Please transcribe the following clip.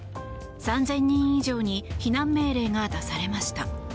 ３０００人以上に避難命令が出されました。